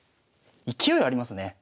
勢いありますね。